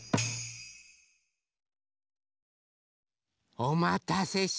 おまたせしました。